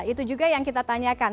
itu juga yang kita tanyakan